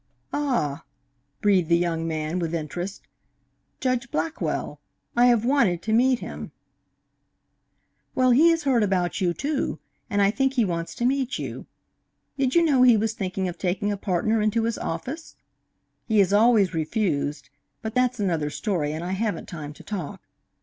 "Ah!" breathed the young man, with interest. "Judge Blackwell! I have wanted to meet him." "Well, he has heard about you, too, and I think he wants to meet you. Did you know he was thinking of taking a partner into his office? He has always refused but that's another story, and I haven't time to talk.